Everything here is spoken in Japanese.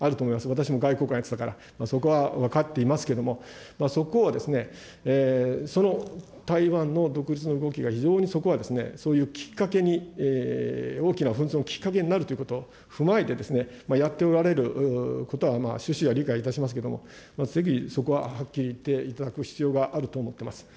私も外交官やってたから、そこは分かっていますけれども、そこは、その台湾の独立の動きが非常にそこはそういうきっかけに、大きな紛争のきっかけになるということを踏まえて、やっておられることは趣旨は理解いたしますけれども、ぜひそこははっきり言っていただく必要があると思ってます。